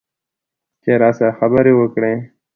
چې راسره خبرې وکړي.